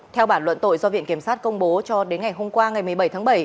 theo bản luận tội do viện kiểm sát công bố cho đến ngày hôm qua ngày một mươi bảy tháng bảy